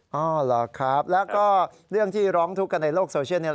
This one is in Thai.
อ๋อเหรอครับแล้วก็เรื่องที่ร้องทุกข์กันในโลกโซเชียลเนี่ย